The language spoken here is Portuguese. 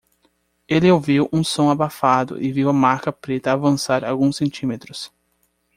Ele ouviu um som abafado e viu a marca preta avançar alguns centímetros.